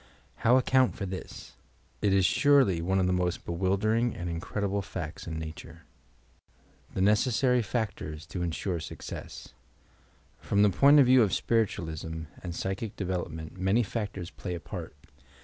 How account for this I It is surely one of the most be wildering and incredible facts in Nature. THE NBCESSART PACTO&S TO INSURE SUCCESS From the point of view of spiritualism and psychic development, many factors play a part.